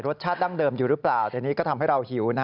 รสชาติดั้งเดิมอยู่หรือเปล่าแต่นี่ก็ทำให้เราหิว